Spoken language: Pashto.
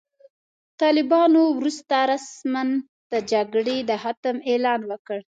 طالبانو وروسته رسماً د جګړې د ختم اعلان وکړ.